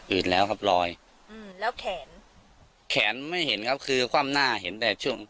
ืดแล้วครับลอยอืมแล้วแขนแขนไม่เห็นครับคือคว่ำหน้าเห็นแต่ช่วง